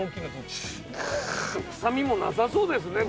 臭みもなさそうですね